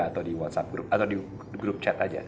atau di whatsapp group atau di grup chat saja